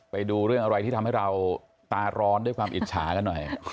ไปดูเรื่องอะไรที่ทำให้เราตาร้อนด้วยความอิจฉากันหน่อย